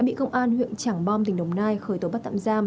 đã bị công an huyện trảng bom tỉnh đồng nai khởi tổ bắt tạm giam